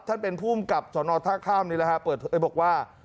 ท่านเป็นผู้อุ้มกับสอนอท่าข้ามนี้บอกว่า